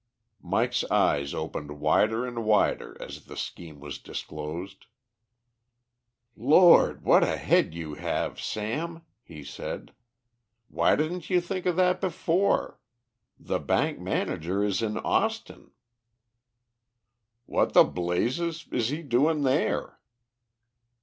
Mike's eyes opened wider and wider as the scheme was disclosed. "Lord, what a head you have, Sam!" he said. "Why didn't you think of that before? The bank manager is in Austin." "What the blazes is he doing there?"